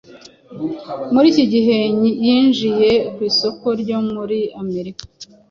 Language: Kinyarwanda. Muri iki gihe yinjiye ku isoko ryo muri Amerika